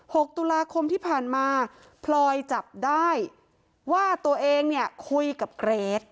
หกตุลาคมที่ผ่านมาพลอยจับได้ว่าตัวเองเนี่ยคุยกับเกรท